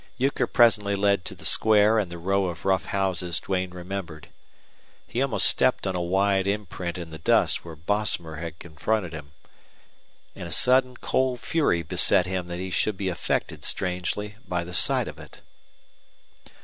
Euchre presently led to the square and the row of rough houses Duane remembered. He almost stepped on a wide imprint in the dust where Bosomer had confronted him. And a sudden fury beset him that he should be affected strangely by the sight of it.